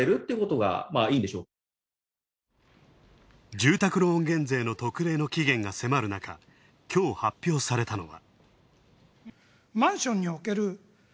住宅ローン減税の特例の期限が迫るなかきょう発表されたのは。